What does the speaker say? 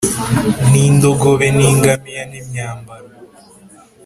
n’indogobe n’ingamiya n’imyambaro